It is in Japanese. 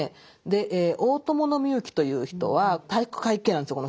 で大伴御行という人は体育会系なんですよ